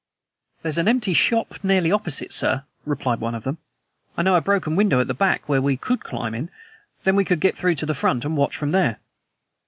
"There's an empty shop nearly opposite, sir," replied one of them. "I know a broken window at the back where we could climb in. Then we could get through to the front and watch from there."